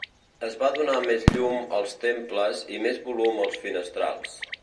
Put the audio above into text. Es va donar més llum als temples i més volum als finestrals.